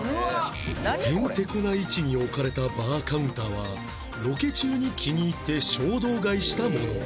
ヘンテコな位置に置かれたバーカウンターはロケ中に気に入って衝動買いしたもの